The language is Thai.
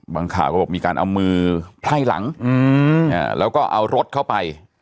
ข่าวก็บอกมีการเอามือไพ่หลังแล้วก็เอารถเข้าไป